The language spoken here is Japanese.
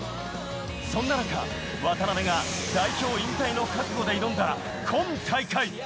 そんな中、渡邊が代表引退の覚悟で挑んだ今大会。